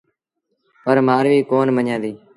پر مآرويٚ ڪونا مڃيآݩديٚ۔